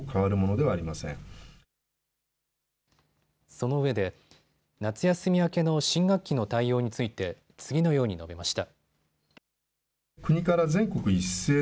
そのうえで夏休み明けの新学期の対応について次のように述べました。